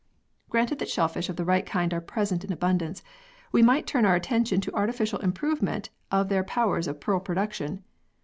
Granted that shellfish of the right kind are present in abundance, we might turn our attention to artificial improvement of their powers of pearl production.